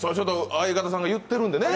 相方さんが言ってるんでね。